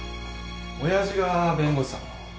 親父が弁護士さんを。